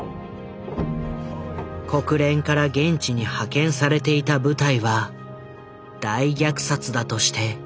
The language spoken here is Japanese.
国連から現地に派遣されていた部隊は大虐殺だとして応援を要請する。